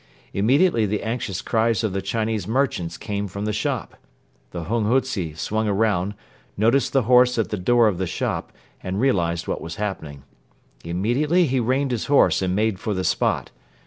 Immediately the anxious cries of the Chinese merchants came from the shop. The hunghutze swung round, noticed the horse at the door of the shop and realized what was happening. Immediately he reined his horse and made for the spot.